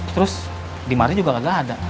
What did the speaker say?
terus di marri juga kagak ada